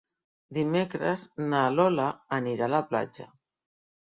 Dimecres na Lola anirà a la platja.